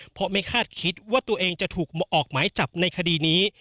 เพราะไม่คาดคิดว่าตัวเองจะถูกออกหมายจับในคดีนี้